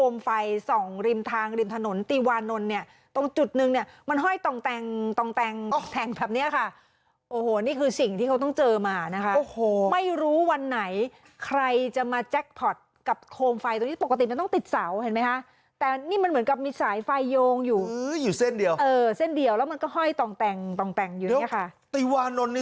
แล้วมันก็ห้อยต่องแต่งต่องแต่งอยู่เนี้ยค่ะตีวานนท์นี่